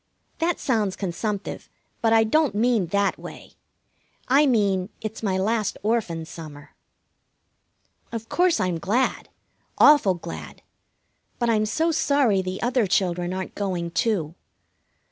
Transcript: That sounds consumptive, but I don't mean that way. I mean it's my last Orphan summer. Of course, I'm glad, awful glad; but I'm so sorry the other children aren't going, too.